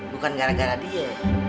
bukan gara gara dia